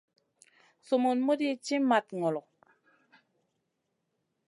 Sumun muɗi ci mat ŋolo.